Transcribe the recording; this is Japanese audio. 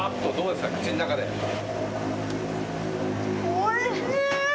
おいしい！